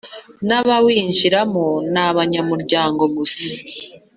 n abawinjiramo n abanyamuryango gusa